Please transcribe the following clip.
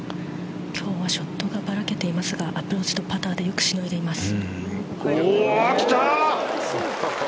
今日はショットがばらけていますがパターでよくしのいでいます。